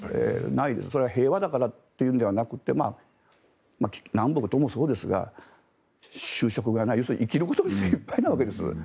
それは平和だからというのではなくて南北ともそうですが就職がない、要するに生きることに精いっぱいなわけです。